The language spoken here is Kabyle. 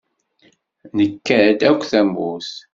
Nekka-d akk tamurt.